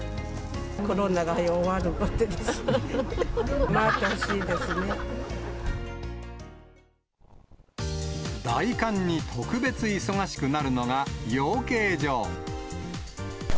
コロナが早く終わって、大寒に特別忙しくなるのが養鶏場。